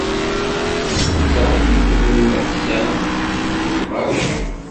D netta i iyi-ixeddmen leḥsan, d lbeṛǧ-iw.